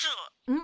ん？